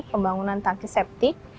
pembangunan tangki septic